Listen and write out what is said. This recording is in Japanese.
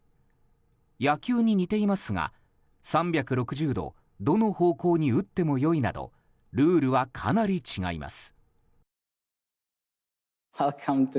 野球に似ていますが、３６０度どの方向に打っても良いなどルールはかなり違います。